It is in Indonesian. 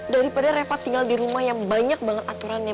daripada reva tinggal di rumah yang banyak banget aturannya